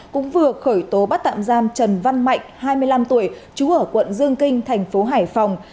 cũng vừa khởi tố bắt tạm giam trần văn mạnh hai mươi năm tuổi trú ở quận dương kinh thành phố hải phòng